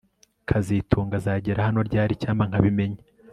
kazitunga azagera hano ryari Icyampa nkabimenya